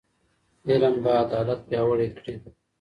علم به عدالت پیاوړی کړي.